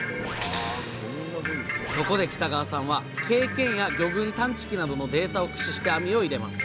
そこで北川さんは経験や魚群探知機などのデータを駆使して網を入れます。